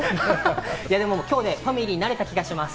今日ファミリーになれた気がします。